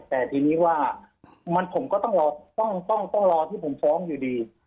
แต่ทีนี้ว่าผมก็ต้องรอที่ผมฟ้องอยู่ดี